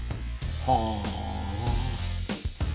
はあ。